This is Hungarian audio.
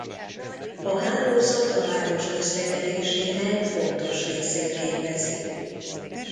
A hálózat a város közlekedésének fontos részét képezi.